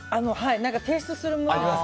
提出するものに。